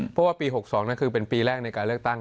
เพราะว่าปี๖๒นั่นคือเป็นปีแรกในการเลือกตั้ง